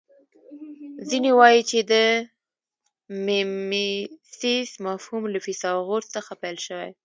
ځینې وايي چې د میمیسیس مفهوم له فیثاغورث څخه پیل شوی